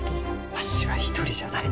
わしは一人じゃない。